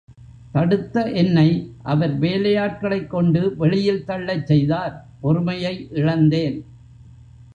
தடுத்த என்னை, அவர் வேலையாட்களைக் கொண்டு வெளியில் தள்ளச் செய்தார் பொறுமையை இழந்தேன்.